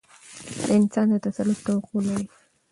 د انسان د تسلط توقع لري.